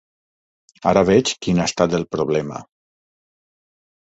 Ara veig quin ha estat el problema.